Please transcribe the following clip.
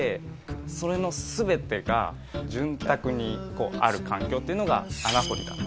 それの全てが潤沢にある環境っていうのが穴掘りだった。